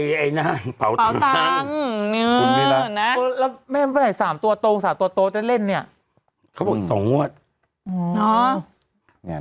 เนี้ยน่ะนี่สามตัวตรงสามตัวตดค่ะนี่น่ะ